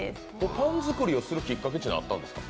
パン作りをするきっかけはあったんですか？